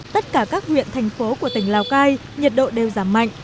tất cả các huyện thành phố của tỉnh lào cai nhiệt độ đều giảm mạnh